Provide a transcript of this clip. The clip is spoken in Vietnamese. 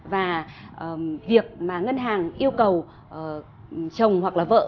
và việc mà ngân hàng yêu cầu chồng hoặc là vợ